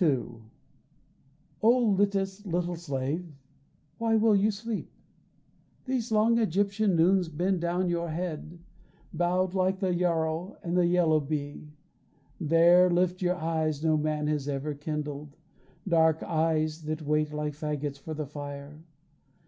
II Oh Litis, little slave, why will you sleep? These long Egyptian noons bend down your head Bowed like the yarrow with a yellow bee. There, lift your eyes no man has ever kindled, Dark eyes that wait like faggots for the fire.